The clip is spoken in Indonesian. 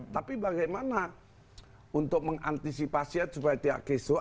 tapi bagaimana untuk mengantisipasinya supaya tiap kisah